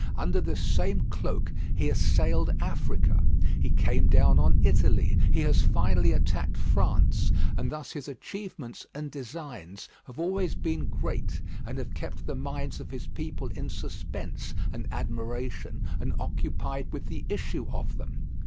Under this same cloak he assailed Africa, he came down on Italy, he has finally attacked France; and thus his achievements and designs have always been great, and have kept the minds of his people in suspense and admiration and occupied with the issue of them.